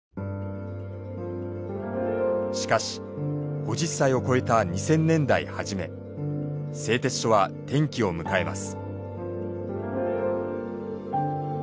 しかし５０歳を越えた２０００年代初め製鉄所は転機を迎えます。